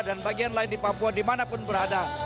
dan bagian lain di papua dimanapun berada